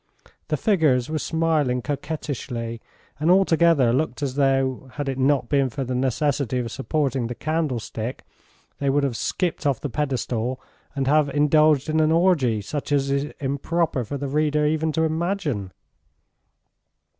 The figures were smiling coquettishly and altogether looked as though, had it not been for the necessity of supporting the candlestick, they would have skipped off the pedestal and have indulged in an orgy such as is improper for the reader even to imagine.